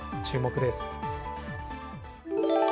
注目です。